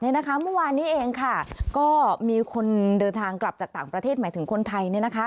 เมื่อวานนี้เองก็มีคนเดินทางกลับจากต่างประเทศหมายถึงคนไทย